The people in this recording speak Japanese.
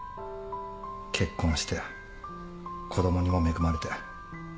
結婚して子供にも恵まれて。